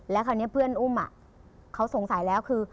แล้วคราวนี้เพื่อนอุ้มเขาสงสัยแล้วคือ